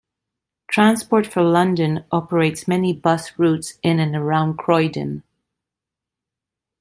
Transport for London operates many bus routes in and around Croydon.